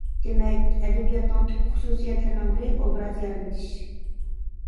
دېمەك، ئەدەبىياتنىڭ تۈپ خۇسۇسىيەتلىرىنىڭ بىرى ئوبراز يارىتىش.